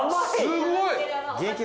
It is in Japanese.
すごい。